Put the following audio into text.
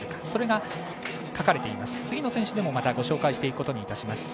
それが書かれています。